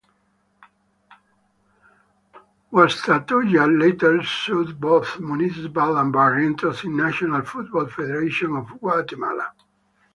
Guastatoya later sued both Municipal and Barrientos in National Football Federation of Guatemala.